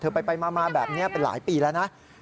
ไปมาแบบนี้เป็นหลายปีแล้วนะ